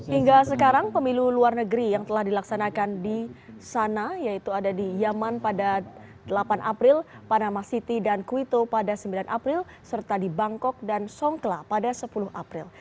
hingga sekarang pemilu luar negeri yang telah dilaksanakan di sana yaitu ada di yaman pada delapan april panama city dan kuito pada sembilan april serta di bangkok dan songkla pada sepuluh april